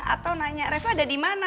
atau nanya reva ada di mana